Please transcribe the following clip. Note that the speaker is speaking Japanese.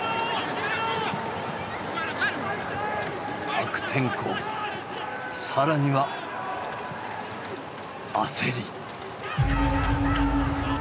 悪天候更には焦り。